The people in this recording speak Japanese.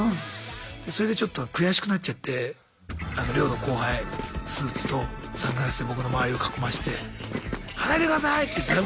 それでちょっと悔しくなっちゃって寮の後輩スーツとサングラスで僕の周りを囲まして「離れてください！」